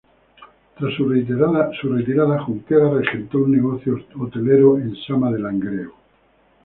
Tras su retirada, Junquera regentó un negocio hostelero en Sama de Langreo.